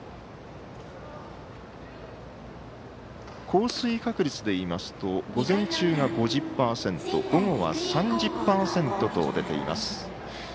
降水確率でいいますと午前中が５０％午後が３０％と出ています。